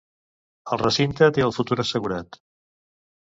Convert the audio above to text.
El recinte té el futur assegurat.